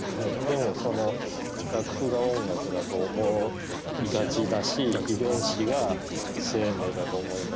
でもその楽譜が音楽だと思いがちだし遺伝子が生命だと思いがちだっていう。